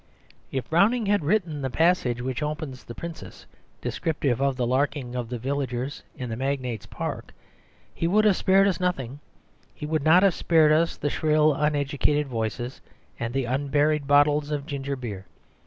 If Browning had written the passage which opens The Princess, descriptive of the "larking" of the villagers in the magnate's park, he would have spared us nothing; he would not have spared us the shrill uneducated voices and the unburied bottles of ginger beer.